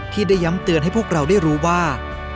ที่ได้ย้ำเตือนให้พวกเราได้รู้ว่า